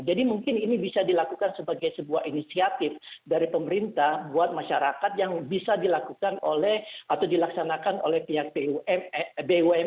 jadi mungkin ini bisa dilakukan sebagai sebuah inisiatif dari pemerintah buat masyarakat yang bisa dilakukan oleh atau dilaksanakan oleh pihak bumn maupun bumg